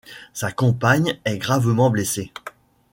Sa compagne est gravement blessée.